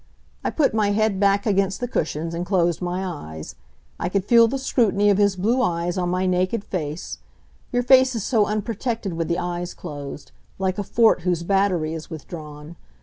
I put my head back against the cushions and closed my eyes. I could feel the scrutiny of his blue eyes on my naked face your face is so unprotected with the eyes closed; like a fort whose battery is withdrawn.